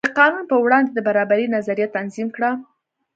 د قانون په وړاندې د برابرۍ نظریه تنظیم کړه.